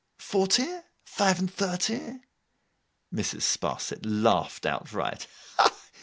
Forty? Five and thirty?' Mrs. Sparsit laughed outright.